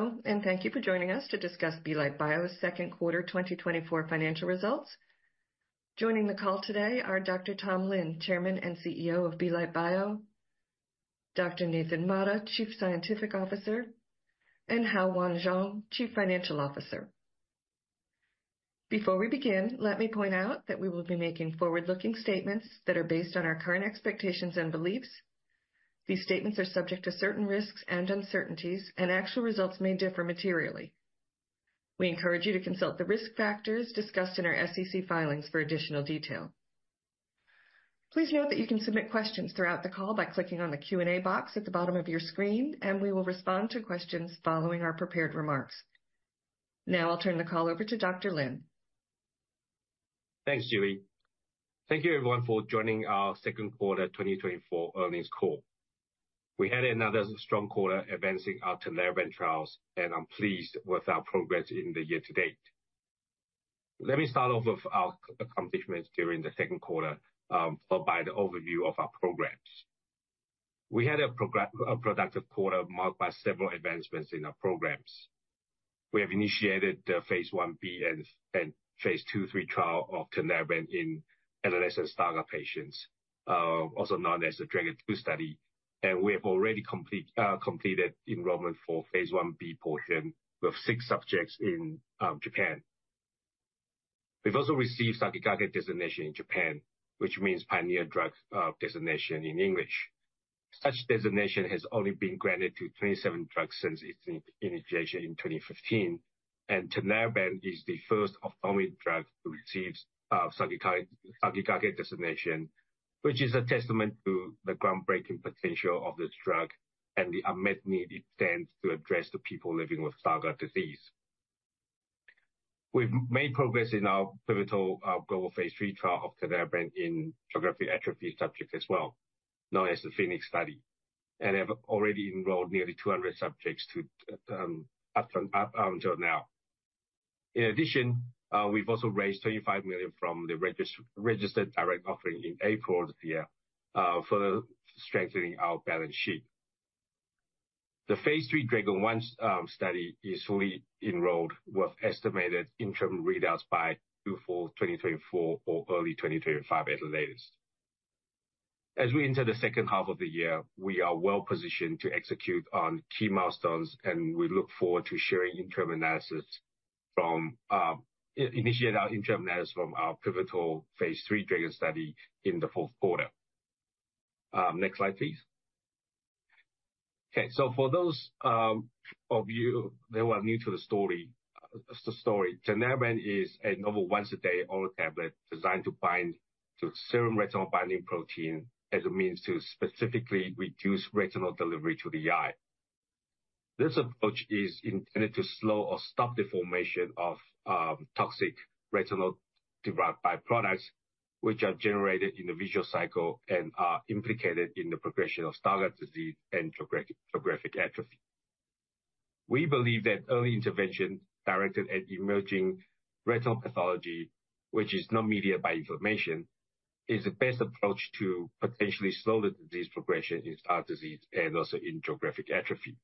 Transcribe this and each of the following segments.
Hello, and thank you for joining us to discuss Belite Bio's Second Quarter 2024 Financial Results. Joining the call today are Dr. Tom Lin, Chairman and CEO of Belite Bio, Dr. Nathan Mata, Chief Scientific Officer, and Hao-Yuan Chuang, Chief Financial Officer. Before we begin, let me point out that we will be making forward-looking statements that are based on our current expectations and beliefs. These statements are subject to certain risks and uncertainties, and actual results may differ materially. We encourage you to consult the risk factors discussed in our SEC filings for additional detail. Please note that you can submit questions throughout the call by clicking on the Q&A box at the bottom of your screen, and we will respond to questions following our prepared remarks. Now I'll turn the call over to Dr. Lin. Thanks, Julie. Thank you everyone for joining our Second Quarter 2024 Earnings Call. We had another strong quarter advancing our Tinlarebant trials, and I'm pleased with our progress in the year to date. Let me start off with our accomplishments during the second quarter, provided overview of our programs. We had a productive quarter marked by several advancements in our programs. We have initiated the phase 1b and phase 2/3 trial of Tinlarebant in adolescent Stargardt patients, also known as the DRAGON II study, and we have already completed enrollment for phase 1b portion with six subjects in Japan. We've also received Sakigake designation in Japan, which means pioneer drug designation in English. Such designation has only been granted to 27 drugs since its initiation in 2015, and Tinlarebant is the first ophthalmic drug to receive Sakigake designation, which is a testament to the groundbreaking potential of this drug and the unmet need it stands to address the people living with Stargardt disease. We've made progress in our pivotal global phase 3 trial of Tinlarebant in geographic atrophy subjects as well, known as the PHOENIX Study, and have already enrolled nearly 200 subjects up until now. In addition, we've also raised $25 million from the registered direct offering in April of this year, further strengthening our balance sheet. The phase 3 DRAGON study is fully enrolled, with estimated interim readouts by Q4 2024 or early 2025 at the latest. As we enter the second half of the year, we are well positioned to execute on key milestones, and we look forward to sharing interim analysis from initiate our interim analysis from our pivotal phase 3 DRAGON study in the fourth quarter. Next slide, please. Okay, so for those of you that are new to the story, the story, Tinlarebant is a novel once-a-day oral tablet designed to bind to serum retinol-binding protein as a means to specifically reduce retinol delivery to the eye. This approach is intended to slow or stop the formation of toxic retinol-derived byproducts, which are generated in the visual cycle and are implicated in the progression of Stargardt disease and geographic atrophy. We believe that early intervention directed at emerging retinal pathology, which is not mediated by inflammation, is the best approach to potentially slow the disease progression in our disease and also in geographic atrophy.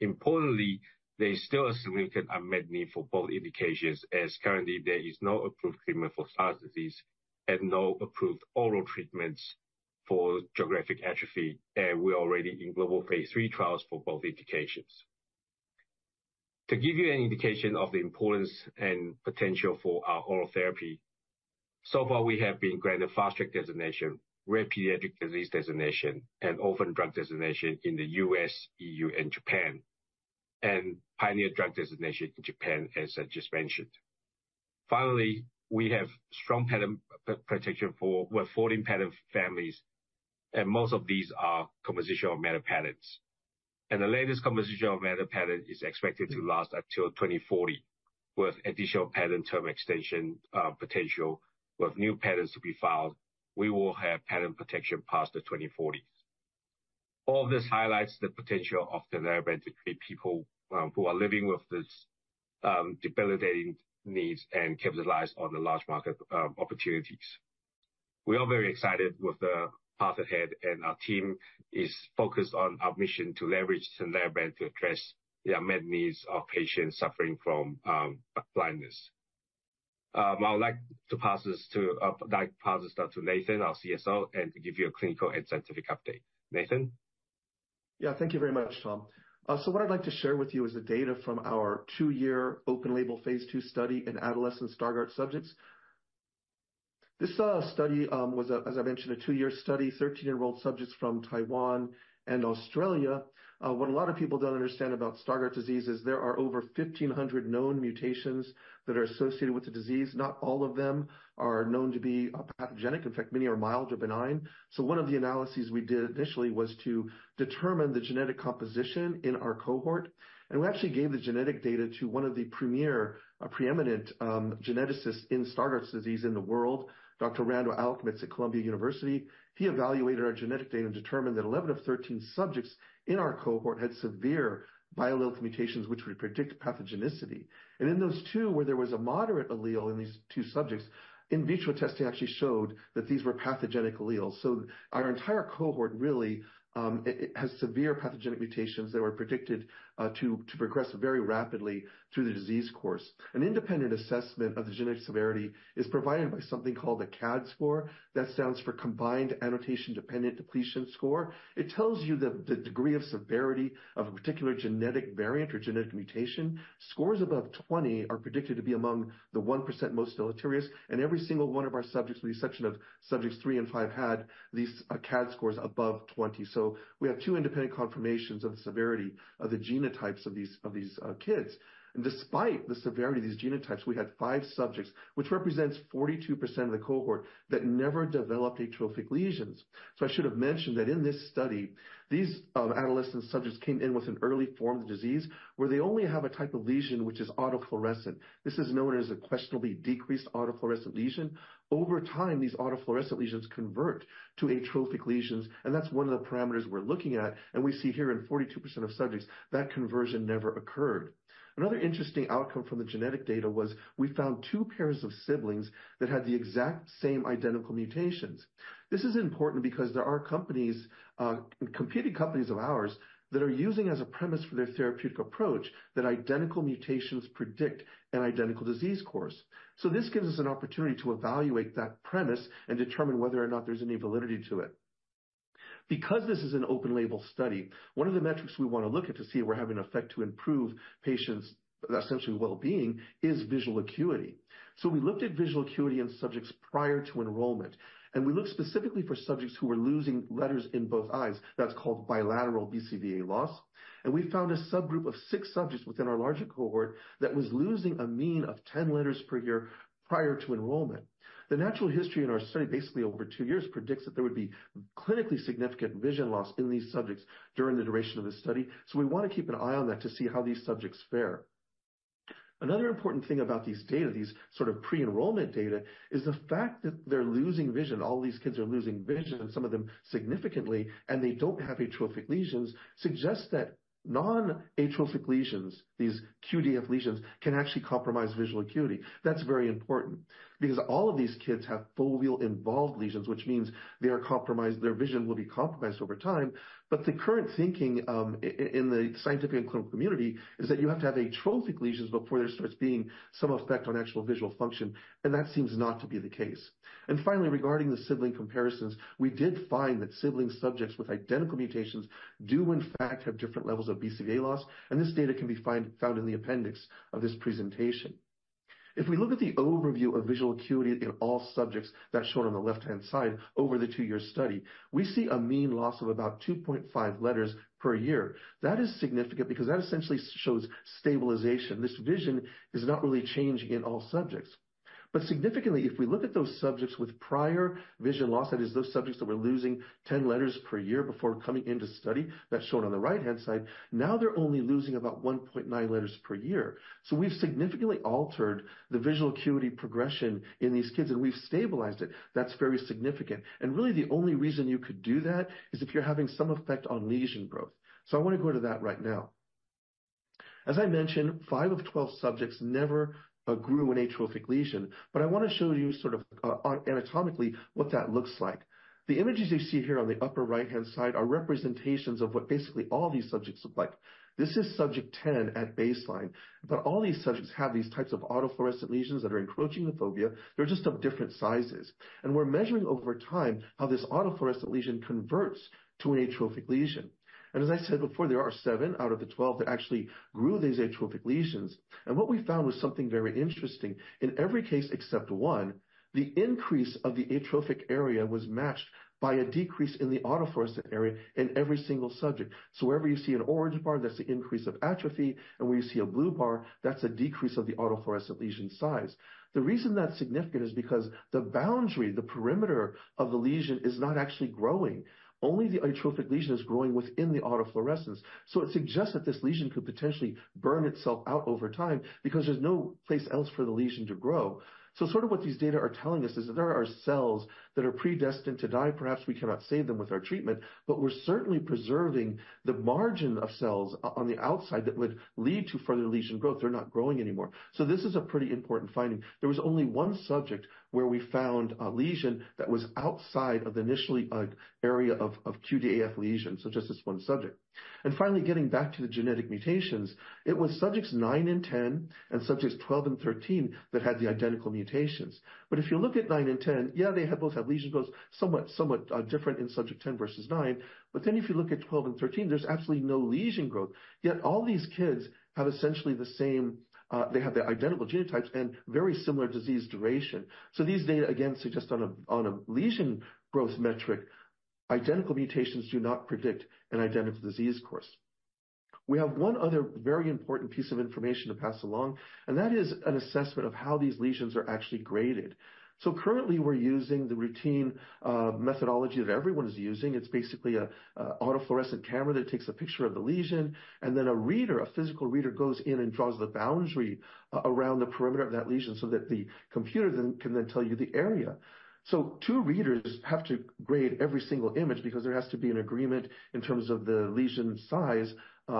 Importantly, there is still a significant unmet need for both indications, as currently there is no approved treatment for Stargardt Disease and no approved oral treatments for geographic atrophy, and we're already in global phase 3 trials for both indications. To give you an indication of the importance and potential for our oral therapy, so far, we have been granted Fast Track designation, Rare Pediatric Disease designation, and Orphan Drug designation in the U.S., EU, and Japan, and Pioneer Drug Designation in Japan, as I just mentioned. Finally, we have strong patent protection with 14 patent families, and most of these are composition of matter patents. The latest composition of matter patent is expected to last until 2040, with additional patent term extension potential. With new patents to be filed, we will have patent protection past the 2040s. All this highlights the potential of Tinlarebant to treat people who are living with this debilitating needs and capitalize on the large market opportunities. We are very excited with the path ahead, and our team is focused on our mission to leverage Tinlarebant to address the unmet needs of patients suffering from blindness. I would like to, like, pass this now to Nathan, our CSO, and to give you a clinical and scientific update. Nathan? Yeah. Thank you very much, Tom. So what I'd like to share with you is the data from our two-year open label phase 2 study in adolescent Stargardt subjects. This study was, as I mentioned, a two-year study, 13 enrolled subjects from Taiwan and Australia. What a lot of people don't understand about Stargardt disease is there are over 1,500 known mutations that are associated with the disease. Not all of them are known to be pathogenic. In fact, many are mild or benign. So one of the analyses we did initially was to determine the genetic composition in our cohort, and we actually gave the genetic data to one of the premier preeminent geneticists in Stargardt's disease in the world, Dr. Rando Allikmets at Columbia University. He evaluated our genetic data and determined that 11 of 13 subjects in our cohort had severe biallelic mutations, which would predict pathogenicity. In those two, where there was a moderate allele in these two subjects, in vitro testing actually showed that these were pathogenic alleles. Our entire cohort really, it has severe pathogenic mutations that were predicted to progress very rapidly through the disease course. An independent assessment of the genetic severity is provided by something called a CADD score. That stands for Combined Annotation Dependent Depletion score. It tells you the degree of severity of a particular genetic variant or genetic mutation. Scores above 20 are predicted to be among the 1% most deleterious, and every single one of our subjects, with the exception of subjects 3 and 5, had these CADD scores above 20. So we have two independent confirmations of the severity of the genotypes of these kids. Despite the severity of these genotypes, we had 5 subjects, which represents 42% of the cohort, that never developed atrophic lesions. I should have mentioned that in this study, these adolescent subjects came in with an early form of the disease, where they only have a type of lesion, which is autofluorescence. This is known as a questionable decreased autofluorescence lesion. Over time, these autofluorescence lesions convert to atrophic lesions, and that's one of the parameters we're looking at, and we see here in 42% of subjects, that conversion never occurred. Another interesting outcome from the genetic data was we found 2 pairs of siblings that had the exact same identical mutations. This is important because there are companies, competing companies of ours, that are using as a premise for their therapeutic approach, that identical mutations predict an identical disease course. So this gives us an opportunity to evaluate that premise and determine whether or not there's any validity to it. Because this is an open label study, one of the metrics we want to look at to see if we're having an effect to improve patients', essentially well-being, is visual acuity. So we looked at visual acuity in subjects prior to enrollment, and we looked specifically for subjects who were losing letters in both eyes. That's called bilateral BCVA loss, and we found a subgroup of six subjects within our larger cohort that was losing a mean of 10 letters per year prior to enrollment. The natural history in our study, basically over two years, predicts that there would be clinically significant vision loss in these subjects during the duration of the study. So we want to keep an eye on that to see how these subjects fare. Another important thing about these data, these sort of pre-enrollment data, is the fact that they're losing vision. All these kids are losing vision, and some of them significantly, and they don't have atrophic lesions, suggests that non-atrophic lesions, these QDAF lesions, can actually compromise visual acuity. That's very important because all of these kids have foveal involved lesions, which means they are compromised. Their vision will be compromised over time. The current thinking in the scientific and clinical community is that you have to have atrophic lesions before there starts being some effect on actual visual function, and that seems not to be the case. And finally, regarding the sibling comparisons, we did find that sibling subjects with identical mutations do in fact have different levels of BCVA loss, and this data can be found in the appendix of this presentation. If we look at the overview of visual acuity in all subjects, that's shown on the left-hand side, over the 2-year study, we see a mean loss of about 2.5 letters per year. That is significant because that essentially shows stabilization. This vision is not really changing in all subjects. But significantly, if we look at those subjects with prior vision loss, that is, those subjects that were losing 10 letters per year before coming into study, that's shown on the right-hand side. Now they're only losing about 1.9 letters per year. So we've significantly altered the visual acuity progression in these kids, and we've stabilized it. That's very significant. And really, the only reason you could do that is if you're having some effect on lesion growth. So I want to go to that right now. As I mentioned, 5 of 12 subjects never grew an atrophic lesion, but I want to show you sort of, anatomically, what that looks like. The images you see here on the upper right-hand side are representations of what basically all these subjects look like. This is subject 10 at baseline, but all these subjects have these types of autofluorescent lesions that are encroaching the fovea. They're just of different sizes, and we're measuring over time how this autofluorescent lesion converts to an atrophic lesion. And as I said before, there are 7 out of the 12 that actually grew these atrophic lesions, and what we found was something very interesting. In every case except 1, the increase of the atrophic area was matched by a decrease in the autofluorescent area in every single subject. So wherever you see an orange bar, that's the increase of atrophy, and where you see a blue bar, that's a decrease of the autofluorescent lesion size. The reason that's significant is because the boundary, the perimeter of the lesion, is not actually growing. Only the atrophic lesion is growing within the autofluorescence. So it suggests that this lesion could potentially burn itself out over time because there's no place else for the lesion to grow. So sort of what these data are telling us is that there are cells that are predestined to die. Perhaps we cannot save them with our treatment, but we're certainly preserving the margin of cells on the outside that would lead to further lesion growth. They're not growing anymore. So this is a pretty important finding. There was only one subject where we found a lesion that was outside of the initially, area of QDAF lesions, so just this one subject. And finally, getting back to the genetic mutations, it was subjects nine and 10 and subjects 12 and 13 that had the identical mutations. But if you look at 9 and 10, yeah, they have both had lesion growth, somewhat, somewhat, different in subject 10 versus 9. But then if you look at 12 and 13, there's absolutely no lesion growth. Yet all these kids have essentially the same. They have the identical genotypes and very similar disease duration. So these data, again, suggest on a lesion growth metric identical mutations do not predict an identical disease course. We have one other very important piece of information to pass along, and that is an assessment of how these lesions are actually graded. So currently, we're using the routine methodology that everyone is using. It's basically a autofluorescence camera that takes a picture of the lesion, and then a reader, a physical reader, goes in and draws the boundary around the perimeter of that lesion so that the computer then can tell you the area. So two readers have to grade every single image because there has to be an agreement in terms of the lesion size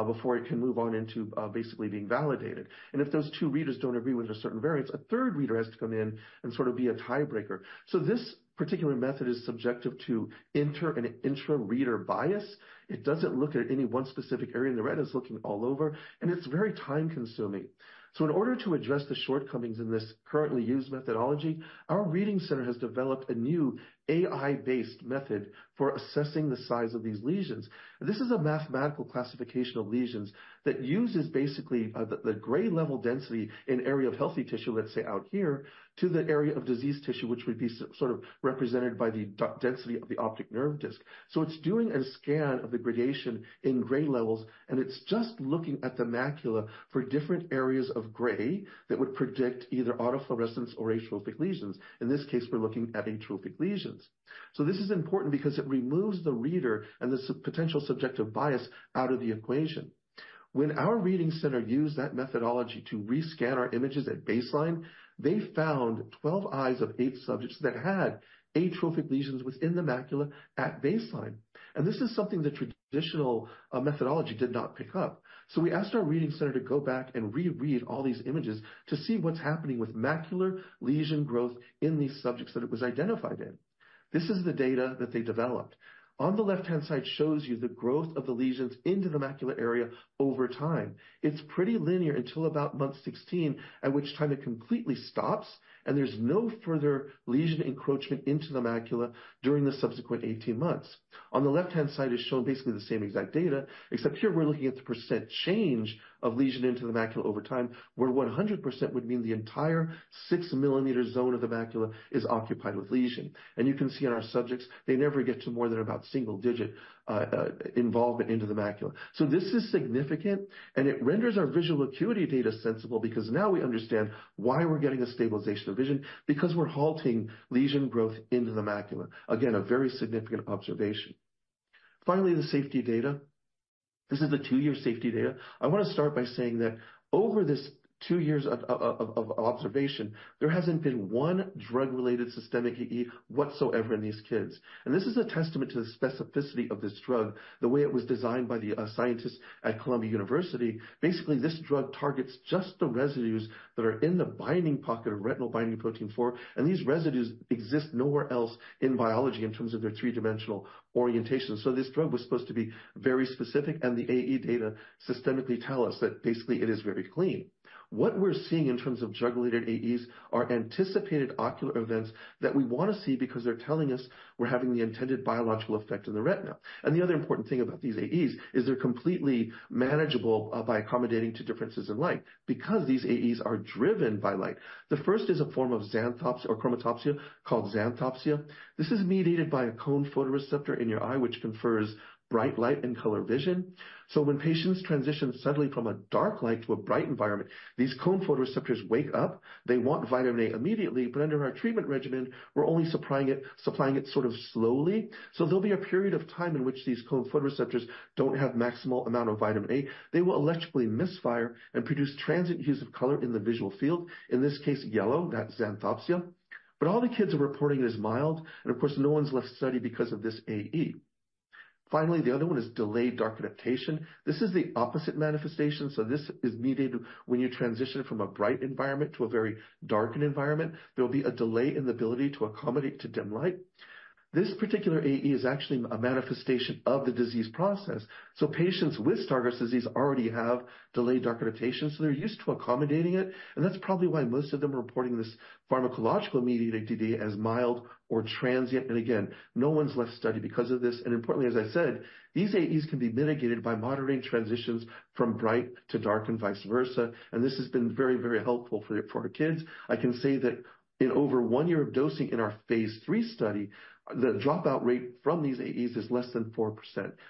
before it can move on into basically being validated. And if those two readers don't agree with a certain variance, a third reader has to come in and sort of be a tiebreaker. So this particular method is subjective to inter and intra-reader bias. It doesn't look at any one specific area in the retina, it's looking all over, and it's very time-consuming. So in order to address the shortcomings in this currently used methodology, our reading center has developed a new AI-based method for assessing the size of these lesions. This is a mathematical classification of lesions that uses basically, the gray level density in area of healthy tissue, let's say, out here, to the area of diseased tissue, which would be sort of represented by the density of the optic nerve disk. So it's doing a scan of the gradation in gray levels, and it's just looking at the macula for different areas of gray that would predict either autofluorescence or atrophic lesions. In this case, we're looking at atrophic lesions. So this is important because it removes the reader and the potential subjective bias out of the equation. When our reading center used that methodology to re-scan our images at baseline, they found 12 eyes of eight subjects that had atrophic lesions within the macula at baseline. This is something the traditional methodology did not pick up. We asked our reading center to go back and re-read all these images to see what's happening with macular lesion growth in these subjects that it was identified in. This is the data that they developed. On the left-hand side, shows you the growth of the lesions into the macular area over time. It's pretty linear until about month 16, at which time it completely stops, and there's no further lesion encroachment into the macula during the subsequent 18 months. On the left-hand side is shown basically the same exact data, except here we're looking at the percent change of lesion into the macula over time, where 100% would mean the entire 6-millimeter zone of the macula is occupied with lesion. You can see in our subjects, they never get to more than about single-digit involvement into the macula. This is significant, and it renders our visual acuity data sensible because now we understand why we're getting a stabilization of vision, because we're halting lesion growth into the macula. Again, a very significant observation. Finally, the safety data. This is the 2-year safety data. I want to start by saying that over this 2 years of observation, there hasn't been one drug-related systemic AE whatsoever in these kids. This is a testament to the specificity of this drug, the way it was designed by the scientists at Columbia University. Basically, this drug targets just the residues that are in the binding pocket of retinol binding protein four, and these residues exist nowhere else in biology in terms of their three-dimensional orientation. So this drug was supposed to be very specific, and the AE data systematically tell us that basically, it is very clean. What we're seeing in terms of drug-related AEs are anticipated ocular events that we want to see because they're telling us we're having the intended biological effect in the retina. And the other important thing about these AEs is they're completely manageable by accommodating to differences in light, because these AEs are driven by light. The first is a form of xanthopsia or chromatopsia called xanthopsia. This is mediated by a cone photoreceptor in your eye, which confers bright light and color vision. So when patients transition suddenly from a dark light to a bright environment, these cone photoreceptors wake up, they want vitamin A immediately, but under our treatment regimen, we're only supplying it, supplying it sort of slowly. So there'll be a period of time in which these cone photoreceptors don't have maximal amount of vitamin A. They will electrically misfire and produce transient hues of color in the visual field, in this case, yellow, that's xanthopsia. But all the kids are reporting it as mild, and of course, no one's left study because of this AE. Finally, the other one is delayed dark adaptation. This is the opposite manifestation, so this is needed when you transition from a bright environment to a very darkened environment. There will be a delay in the ability to accommodate to dim light. This particular AE is actually a manifestation of the disease process. So patients with Stargardt disease already have delayed dark adaptation, so they're used to accommodating it, and that's probably why most of them are reporting this pharmacological-mediated AE as mild or transient. And again, no one's left study because of this. And importantly, as I said, these AEs can be mitigated by moderating transitions from bright to dark and vice versa. And this has been very, very helpful for our kids. I can say that in over one year of dosing in our phase 3 study, the dropout rate from these AEs is less than 4%,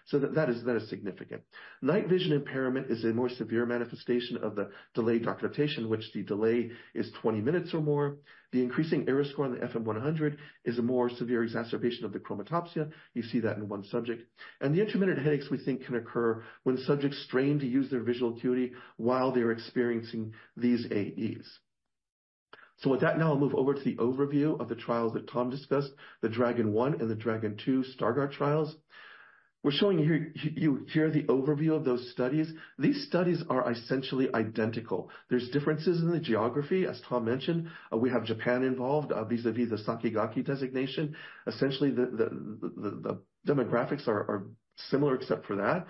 so that is significant. Night vision impairment is a more severe manifestation of the delayed dark adaptation, which the delay is 20 minutes or more. The increasing error score on the FM-100 is a more severe exacerbation of the xanthopsia. You see that in one subject. And the intermittent headaches, we think, can occur when subjects strain to use their visual acuity while they are experiencing these AEs. So with that, now I'll move over to the overview of the trials that Tom discussed, the DRAGON and the DRAGON II Stargardt trials. We're showing here, you see here the overview of those studies. These studies are essentially identical. There's differences in the geography, as Tom mentioned. We have Japan involved, vis-à-vis the Sakigake designation. Essentially, the demographics are similar, except for that.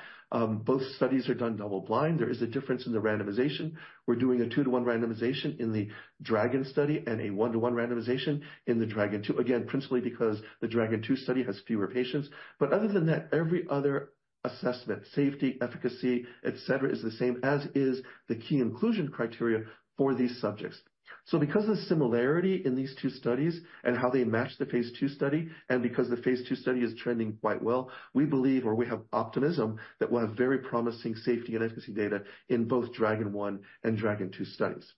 Both studies are done double-blind. There is a difference in the randomization. We're doing a 2:1 randomization in the DRAGON study and a 1:1 randomization in the DRAGON II. Again, principally because the DRAGON II study has fewer patients. But other than that, every other assessment, safety, efficacy, et cetera, is the same as is the key inclusion criteria for these subjects. So because of the similarity in these two studies and how they match the phase 2 study, and because the phase 2 study is trending quite well, we believe or we have optimism that we'll have very promising safety and efficacy data in both DRAGON and DRAGON II studies...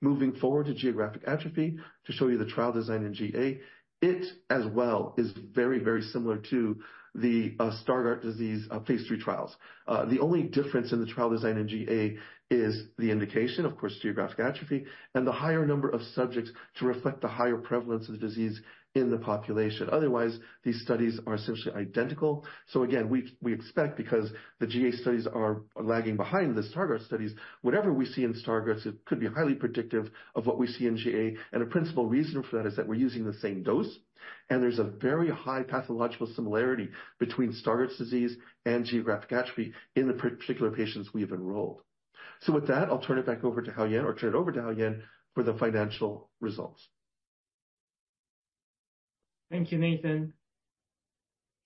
Moving forward to geographic atrophy, to show you the trial design in GA. It as well is very, very similar to the Stargardt disease phase 3 trials. The only difference in the trial design in GA is the indication, of course, geographic atrophy, and the higher number of subjects to reflect the higher prevalence of the disease in the population. Otherwise, these studies are essentially identical. So again, we expect, because the GA studies are lagging behind the Stargardt studies, whatever we see in Stargardt's, it could be highly predictive of what we see in GA. And the principal reason for that is that we're using the same dose, and there's a very high pathological similarity between Stargardt's disease and geographic atrophy in the particular patients we've enrolled. So with that, I'll turn it back over to Hao-Yuan, or turn it over to Hao-Yuan for the financial results. Thank you, Nathan.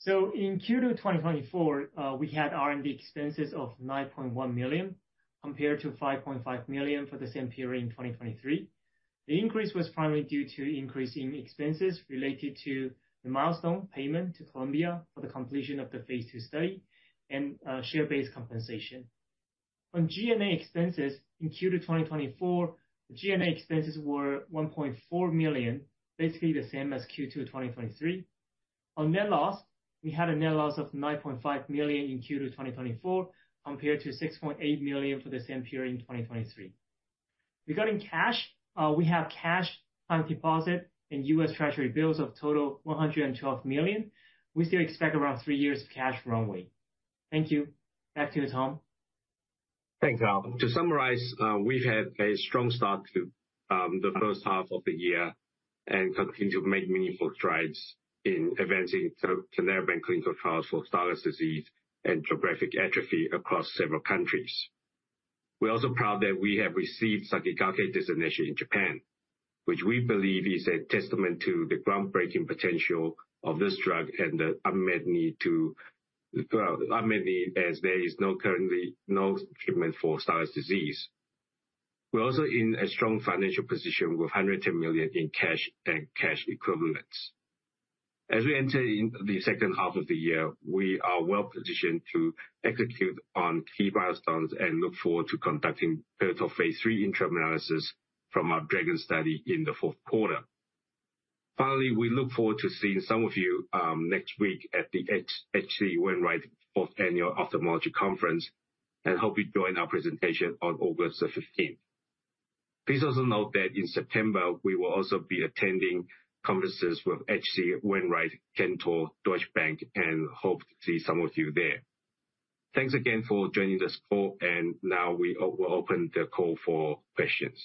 So in Q2 2024, we had R&D expenses of $9.1 million, compared to $5.5 million for the same period in 2023. The increase was primarily due to increase in expenses related to the milestone payment to Columbia for the completion of the phase two study and, share-based compensation. On G&A expenses in Q2 2024, G&A expenses were $1.4 million, basically the same as Q2 2023. On net loss, we had a net loss of $9.5 million in Q2 2024, compared to $6.8 million for the same period in 2023. Regarding cash, we have cash on deposit and US Treasury bills of total $112 million. We still expect around three years of cash runway. Thank you. Back to you, Tom. Thanks, Hao-Yuan. To summarize, we've had a strong start to the first half of the year and continue to make meaningful strides in advancing Tinlarebant clinical trials for Stargardt disease and geographic atrophy across several countries. We're also proud that we have received Sakigake designation in Japan, which we believe is a testament to the groundbreaking potential of this drug and the unmet need, well, unmet need, as there is no treatment for Stargardt disease. We're also in a strong financial position with $110 million in cash and cash equivalents. As we enter the second half of the year, we are well positioned to execute on key milestones and look forward to conducting pivotal phase 3 interim analysis from our Dragon study in the fourth quarter. Finally, we look forward to seeing some of you next week at the H.C. Wainwright Fourth Annual Ophthalmology Conference, and hope you join our presentation on August the fifteenth. Please also note that in September, we will also be attending conferences with H.C. Wainwright, Cantor, Deutsche Bank, and hope to see some of you there. Thanks again for joining us for, and now we will open the call for questions. ...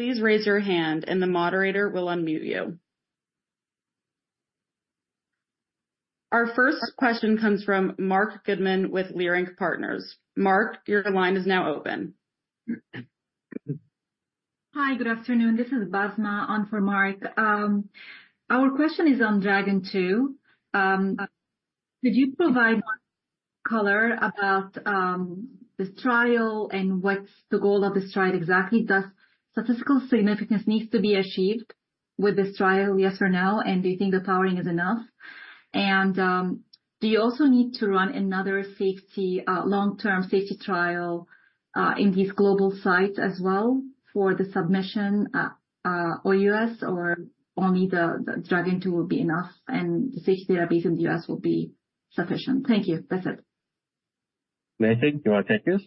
Please raise your hand and the moderator will unmute you. Our first question comes from Marc Goodman with Leerink Partners. Marc, your line is now open. Hi, good afternoon. This is Basma on for Marc. Our question is on DRAGON II. Could you provide more color about the trial and what's the goal of this trial exactly? Does statistical significance needs to be achieved with this trial, yes or no? And do you think the powering is enough? And do you also need to run another safety, long-term safety trial in these global sites as well for the submission, OUS or only the DRAGON II will be enough and the safety database in the U.S. will be sufficient? Thank you. That's it. Nathan, do you want to take this?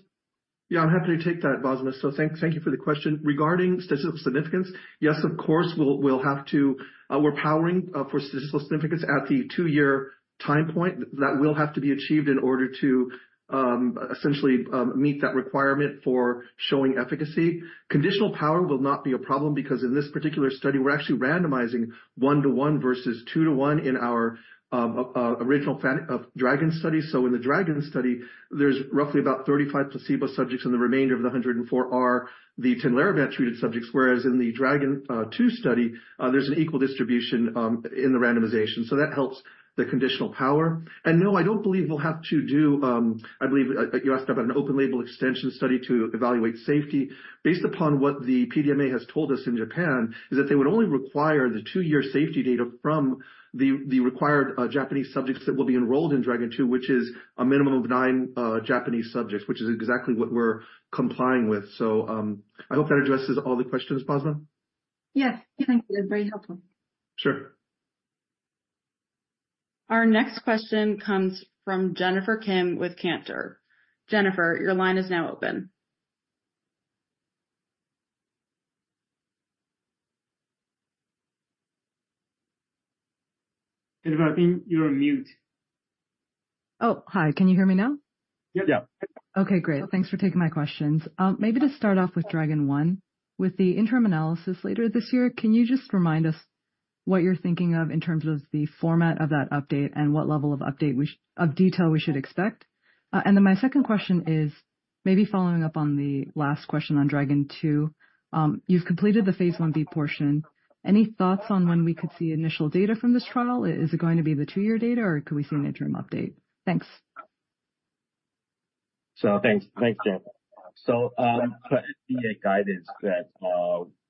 Yeah, I'm happy to take that, Basma. So thank you for the question. Regarding statistical significance, yes, of course, we'll have to. We're powering for statistical significance at the two-year time point. That will have to be achieved in order to essentially meet that requirement for showing efficacy. Conditional power will not be a problem because in this particular study, we're actually randomizing 1 to 1 versus 2 to 1 in our original plan for the DRAGON study. So in the DRAGON study, there's roughly about 35 placebo subjects, and the remainder of the 104 are the Tinlarebant-treated subjects. Whereas in the DRAGON II study, there's an equal distribution in the randomization, so that helps the conditional power. No, I don't believe we'll have to do. I believe you asked about an open label extension study to evaluate safety. Based upon what the PDMA has told us in Japan, is that they would only require the 2-year safety data from the required Japanese subjects that will be enrolled in DRAGON II, which is a minimum of 9 Japanese subjects, which is exactly what we're complying with. So, I hope that addresses all the questions, Basma. Yes. Thank you. Very helpful. Sure. Our next question comes from Jennifer Kim with Cantor. Jennifer, your line is now open.... Jennifer, you're on mute. Oh, hi. Can you hear me now? Yep. Yeah. Okay, great. Thanks for taking my questions. Maybe just start off with DRAGON 1. With the interim analysis later this year, can you just remind us what you're thinking of in terms of the format of that update and what level of detail we should expect? And then my second question is, maybe following up on the last question on DRAGON II, you've completed the phase 1b portion. Any thoughts on when we could see initial data from this trial? Is it going to be the two-year data, or could we see an interim update? Thanks. So thanks, thanks, Jen. So, for FDA guidance that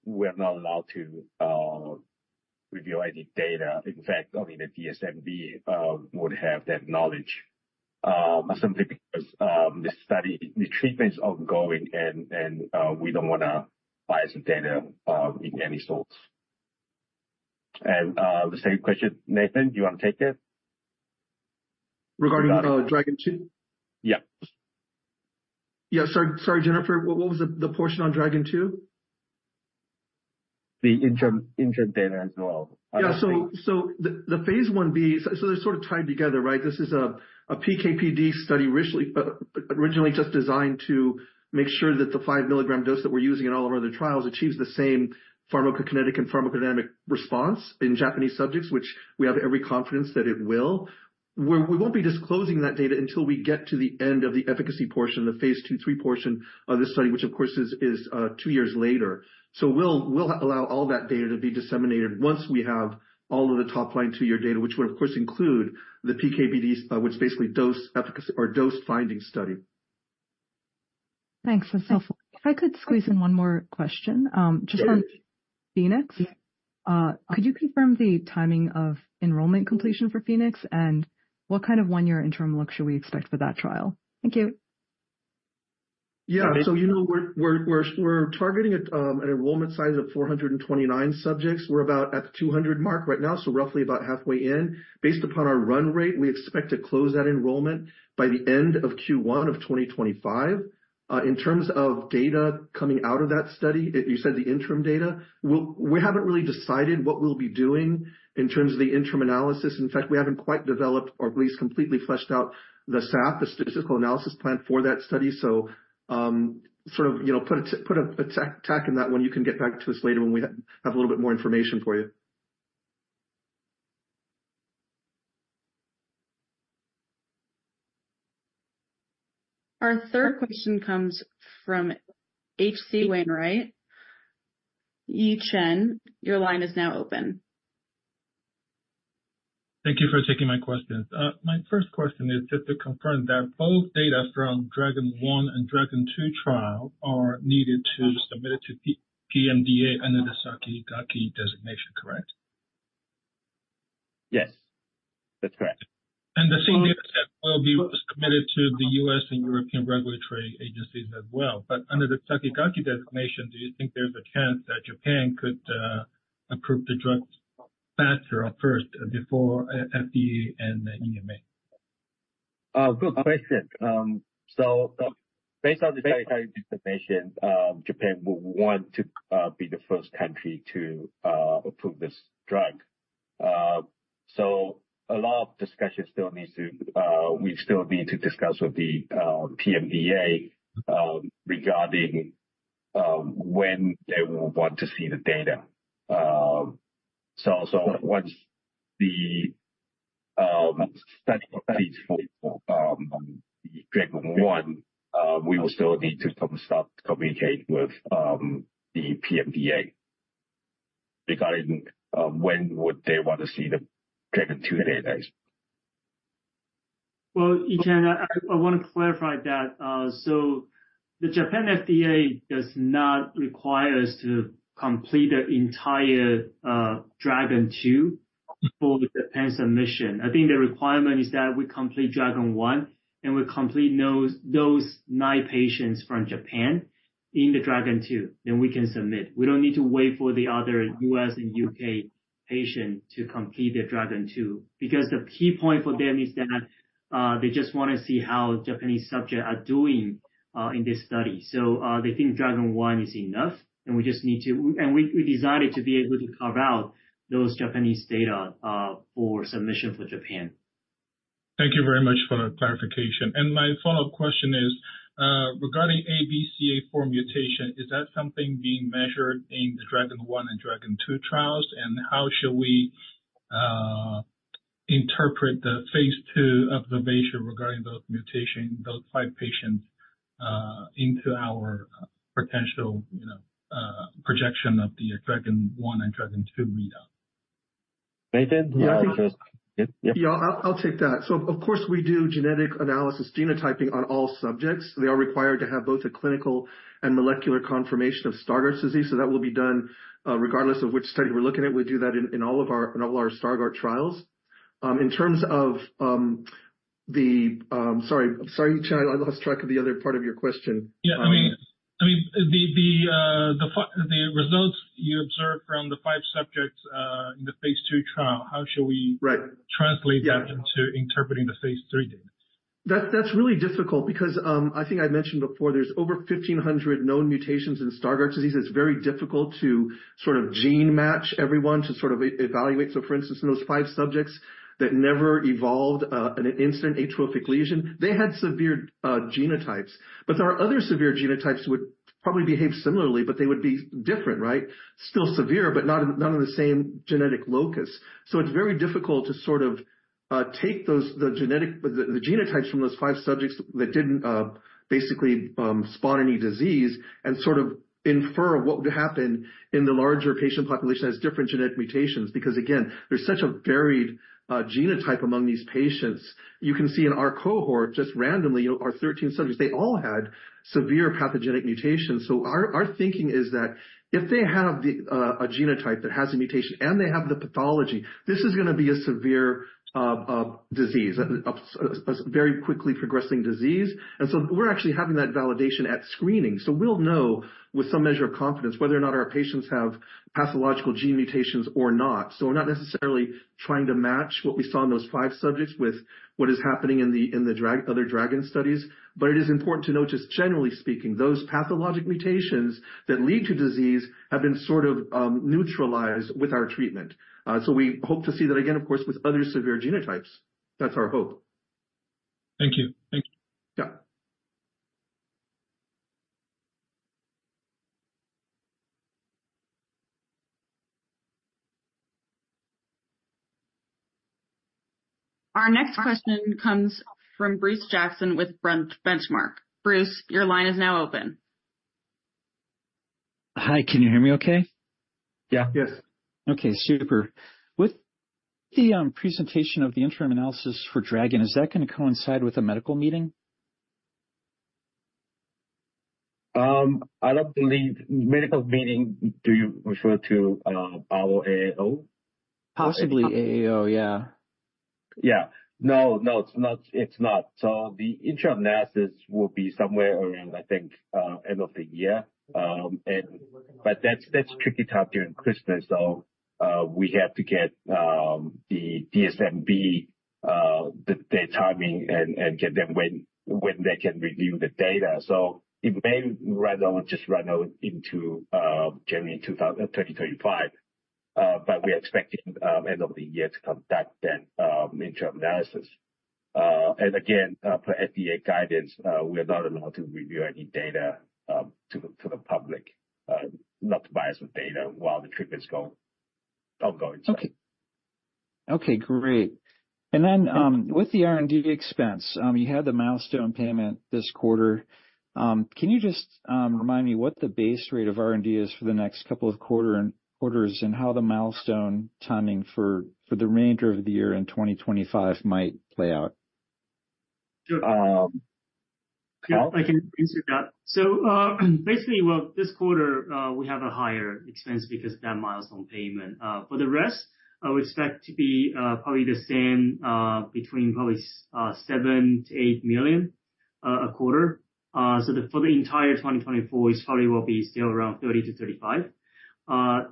we're not allowed to review any data, in fact, only the DSMB would have that knowledge, simply because the study, the treatment is ongoing, and we don't wanna bias the data in any sorts. And, the second question, Nathan, do you wanna take it? Regarding DRAGON II? Yeah. Yeah. Sorry, Jennifer, what was the portion on DRAGON II? The interim data as well. Yeah. So the phase 1b, so they're sort of tied together, right? This is a PK/PD study originally just designed to make sure that the 5-milligram dose that we're using in all of our other trials achieves the same pharmacokinetic and pharmacodynamic response in Japanese subjects, which we have every confidence that it will. We won't be disclosing that data until we get to the end of the efficacy portion, the phase II/III portion of this study, which of course is 2 years later. So we'll allow all that data to be disseminated once we have all of the top-line 2-year data, which would, of course, include the PK/PD, which is basically dose efficacy or dose-finding study. Thanks. That's helpful. If I could squeeze in one more question, just on- Yes. PHOENIX. Could you confirm the timing of enrollment completion for PHOENIX, and what kind of one-year interim look should we expect for that trial? Thank you. Yeah. So, you know, we're targeting at an enrollment size of 429 subjects. We're about at the 200 mark right now, so roughly about halfway in. Based upon our run rate, we expect to close that enrollment by the end of Q1 of 2025. In terms of data coming out of that study, you said the interim data, we haven't really decided what we'll be doing in terms of the interim analysis. In fact, we haven't quite developed or at least completely fleshed out the SAP, the statistical analysis plan for that study. So, sort of, you know, put a tack in that one. You can get back to us later when we have a little bit more information for you. Our third question comes from H.C. Wainwright. Yi Chen, your line is now open. Thank you for taking my questions. My first question is just to confirm that both data from DRAGON and DRAGON II trials are needed to submit it to PMDA under the Sakigake designation, correct? Yes, that's correct. The same data set will be submitted to the U.S. and European regulatory agencies as well. Under the Sakigake designation, do you think there's a chance that Japan could approve the drug faster at first before FDA and the EMA? Good question. So based on the designation, Japan will want to be the first country to approve this drug. So we still need to discuss with the PMDA regarding when they will want to see the data. So once the study completes for on the DRAGON, we will still need to start to communicate with the PMDA regarding when they would want to see the DRAGON II data. Well, Yi Chen, I wanna clarify that. So the Japan FDA does not require us to complete the entire DRAGON II for the Japan submission. I think the requirement is that we complete DRAGON 1, and we complete those nine patients from Japan in the DRAGON II, then we can submit. We don't need to wait for the other U.S. and U.K. patients to complete their DRAGON II, because the key point for them is that they just wanna see how Japanese subjects are doing in this study. So they think DRAGON 1 is enough, and we just need to and we designed it to be able to carve out those Japanese data for submission for Japan. Thank you very much for the clarification. My follow-up question is, regarding ABCA4 mutation, is that something being measured in the DRAGON and DRAGON II trials? How should we interpret the phase two observation regarding those mutations, those five patients, into our potential, you know, projection of the DRAGON and DRAGON II readout? Nathan, do you want to take this? Yeah. Yeah. Yeah, I'll take that. So of course, we do genetic analysis, genotyping on all subjects. They are required to have both a clinical and molecular confirmation of Stargardt disease, so that will be done regardless of which study we're looking at. We do that in all of our Stargardt trials. In terms of... Sorry, sorry, Yi Chen, I lost track of the other part of your question. Yeah, I mean, the results you observed from the 5 subjects in the phase 2 trial, how should we- Right. Translate that into interpreting the phase 3 data?... That's really difficult because I think I mentioned before, there's over 1,500 known mutations in Stargardt disease. It's very difficult to sort of gene match everyone to sort of evaluate. So for instance, in those five subjects that never evolved an incipient atrophic lesion, they had severe genotypes. But there are other severe genotypes who would probably behave similarly, but they would be different, right? Still severe, but not on the same genetic locus. So it's very difficult to sort of take the genotypes from those five subjects that didn't basically spot any disease and sort of infer what would happen in the larger patient population that has different genetic mutations. Because again, there's such a varied genotype among these patients. You can see in our cohort, just randomly, our 13 subjects, they all had severe pathogenic mutations. So our thinking is that if they have a genotype that has a mutation and they have the pathology, this is gonna be a severe disease, a very quickly progressing disease. And so we're actually having that validation at screening. So we'll know with some measure of confidence whether or not our patients have pathological gene mutations or not. So we're not necessarily trying to match what we saw in those five subjects with what is happening in the other DRAGON studies. But it is important to note, just generally speaking, those pathologic mutations that lead to disease have been sort of neutralized with our treatment. So we hope to see that again, of course, with other severe genotypes. That's our hope. Thank you. Thank you. Yeah. Our next question comes from Bruce Jackson with Benchmark. Bruce, your line is now open. Hi, can you hear me okay? Yeah. Yes. Okay, super. With the presentation of the interim analysis for DRAGON, is that gonna coincide with a medical meeting? I don't believe medical meeting. Do you refer to our AAO? Possibly AAO, yeah. Yeah. No, no, it's not, it's not. So the interim analysis will be somewhere around, I think, end of the year. And but that's, that's tricky time during Christmas, so, we have to get the DSMB, their timing and get them when they can review the data. So it may run on, just run on into January 2025. But we're expecting end of the year to conduct that interim analysis. And again, per FDA guidance, we are not allowed to review any data to the public, not to provide us with data while the treatment is ongoing. Okay. Okay, great. And then, with the R&D expense, you had the milestone payment this quarter. Can you just, remind me what the base rate of R&D is for the next couple of quarter and quarters, and how the milestone timing for, for the remainder of the year in 2025 might play out? Sure. Um- Yeah, I can answer that. So, basically, well, this quarter, we have a higher expense because of that milestone payment. For the rest, I would expect to be probably the same, between probably 7-8 million a quarter. So the, for the entire 2024, it probably will be still around $30-$35 million.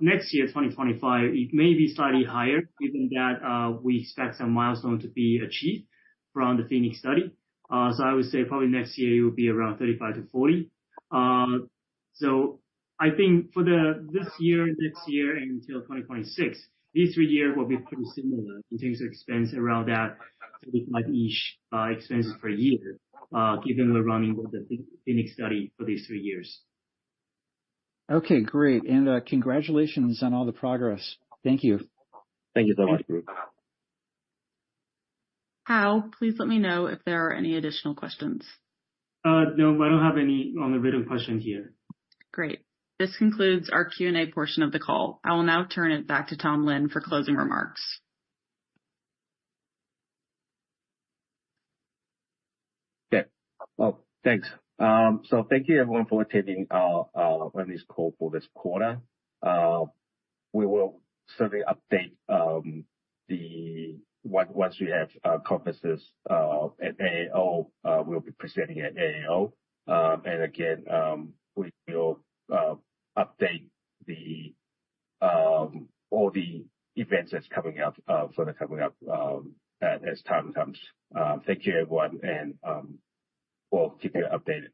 Next year, 2025, it may be slightly higher, given that, we expect some milestone to be achieved from the PHOENIX study. So I would say probably next year it will be around $35-$40 million. So I think for the, this year, next year, until 2026, these three years will be pretty similar in terms of expense around that, $35 million each, expenses per year, given we're running the PHOENIX study for these three years. Okay, great. Congratulations on all the progress. Thank you. Thank you so much, Bruce. Hao, please let me know if there are any additional questions. No, I don't have any on the written question here. Great. This concludes our Q&A portion of the call. I will now turn it back to Tom Lin for closing remarks. Yeah. Well, thanks. So thank you everyone for attending our earnings call for this quarter. We will certainly update once we have conferences at AAO. We'll be presenting at AAO. And again, we will update all the events that's coming up for the coming up as time comes. Thank you, everyone, and we'll keep you updated.